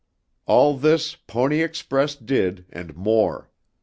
All this Pony Express did and more.